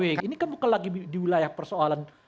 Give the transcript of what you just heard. ini kan bukan lagi di wilayah persoalan